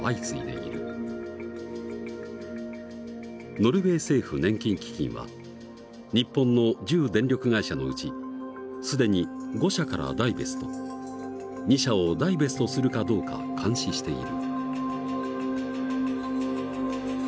ノルウェー政府年金基金は日本の１０電力会社のうち既に５社からダイベスト２社をダイベストするかどうか監視している。